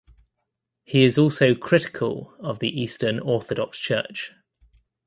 He is also critical of the Eastern Orthodox Church.